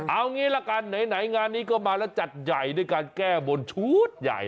เอางี้ละกันไหนงานนี้ก็มาแล้วจัดใหญ่ด้วยการแก้บนชุดใหญ่